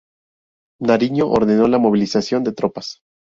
Nariño ordenó la movilización de tropas.